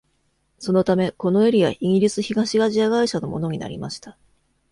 そのため、このエリアイギリス東アジア会社のものになりました。